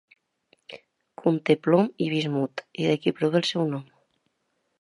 Conté Plom i Bismut i d'aquí prové el seu nom.